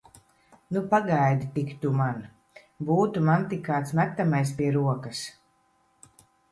Nu, pagaidi tik tu man! Būtu man tik kāds metamais pie rokas!